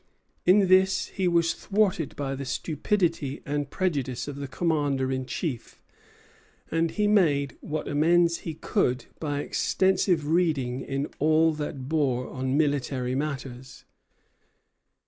In this he was thwarted by the stupidity and prejudice of the commander in chief; and he made what amends he could by extensive reading in all that bore on military matters.